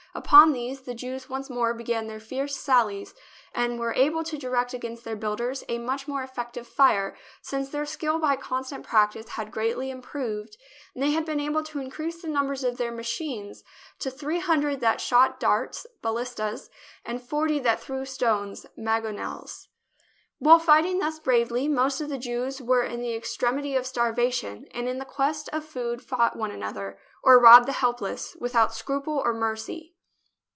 Upon these the Jews once more began their fierce sallies, and were able to direct against their builders a much more effective fire, since their skill by constant prac tice had greatly improved and they had been able to increase the number of their machines to three hundred that shot darts (ballistas) and forty that threw stones (mangonels). While fighting thus bravely, most of the Jews were in the extremity of starvation and in the quest of food fought one another, or robbed the helpless, without scruple or mercy.